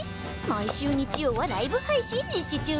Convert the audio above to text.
毎週日曜はライブ配信実施中。